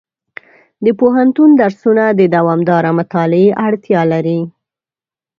د پوهنتون درسونه د دوامداره مطالعې اړتیا لري.